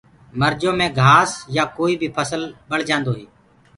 مرجو مينٚ گآس يآ ڪوئي بي ڦسل ڀݪجآندو هي۔